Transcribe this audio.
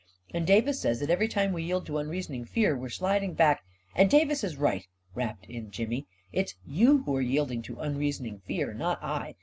And Davis says that every time we yield to unreasoning fear, we're sliding back ..."" And Davis is right !" rapped in Jimmy. " It's you who are yielding to unreasoning fear, not I.